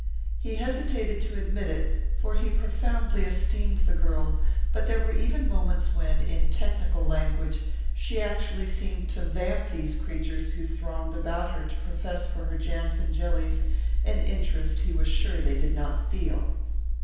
He hesitated to admit it, for he profoundly esteemed the girl, but there were even moments when, in technical language, she actually seemed to "vamp" these creatures who thronged about her to profess for her jams and jellies an interest he was sure they did not feel.